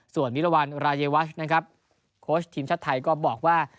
ส่วนมิรวรรณราเยวัชโค้ชทีมชัดไทยก็บอกว่า